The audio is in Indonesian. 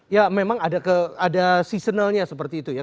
ya memang ada seasonalnya seperti itu ya